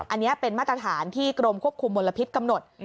อันนี้เป็นมาตรฐานที่กรมควบคุมมลพิษกำหนด